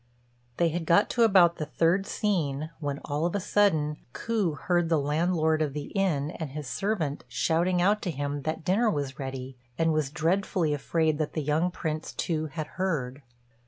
They had got to about the third scene, when, all of a sudden, Ku heard the landlord of the inn and his servant shouting out to him that dinner was ready, and was dreadfully afraid that the young Prince, too, had heard.